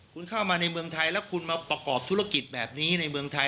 คุณเข้ามาในเมืองไทยแล้วคุณมาประกอบธุรกิจแบบนี้ในเมืองไทย